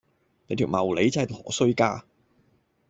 你條茂利真係陀衰家